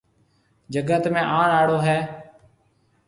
جگت ۾ آڻ آݪو هيَ۔